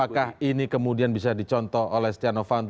apakah ini kemudian bisa dicontoh oleh stiano fanto